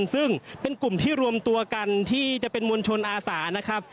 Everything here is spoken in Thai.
ซึ่งเป็นกลุ่มที่รวมตัวกันที่จะเป็นมวลชนอาสานะครับ